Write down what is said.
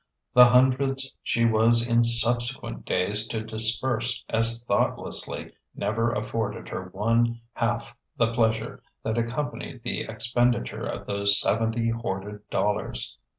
The hundreds she was in subsequent days to disburse as thoughtlessly never afforded her one half the pleasure that accompanied the expenditure of those seventy hoarded dollars.